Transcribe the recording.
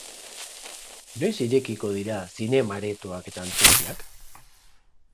Noiz irekiko dira zinema-aretoak eta antzokiak?